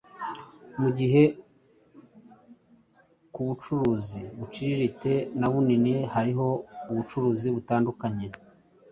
mugihe kubucuruzi buciririte na bunini, hariho ubucuruzibutandukanye